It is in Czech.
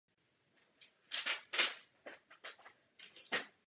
Jejich výstavba a následný život v nich probíhají velmi podobně.